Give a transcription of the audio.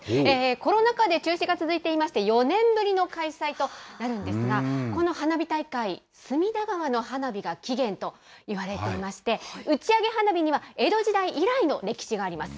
コロナ禍で中止が続いていまして、４年ぶりの開催となるんですが、この花火大会、隅田川の花火が起源といわれていまして、打ち上げ花火には、江戸時代以来の歴史があります。